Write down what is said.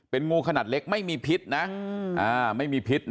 เป็นงูขนาดเล็กไม่มีพิษนะ